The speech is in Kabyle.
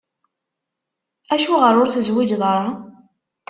Acuɣer ur tezwiǧeḍ ara?